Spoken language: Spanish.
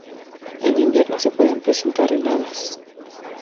En invierno se pueden presentar heladas.